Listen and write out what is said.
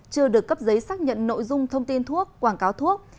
chưa được cấp giấy xác nhận nội dung thông tin thuốc quảng cáo thuốc